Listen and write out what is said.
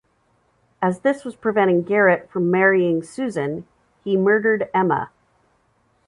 As this was preventing Garrett from marrying Susan he murdered Emma.